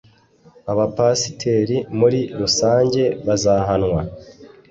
abapasiteri muri rusange bazahanwa